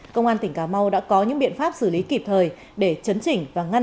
công an tỉnh cà mau đã có những biện pháp xử lý kịp thời để chấn chỉnh và ngăn chặn